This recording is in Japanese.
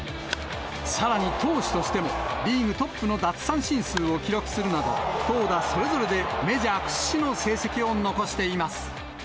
さらに、投手としても、リーグトップの奪三振数を記録するなど、投打それぞれで、メジャー屈指の成績を残しています。